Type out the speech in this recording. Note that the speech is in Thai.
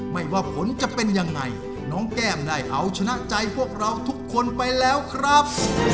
ไม่ว่าผลจะเป็นยังไงน้องแก้มได้เอาชนะใจพวกเราทุกคนไปแล้วครับ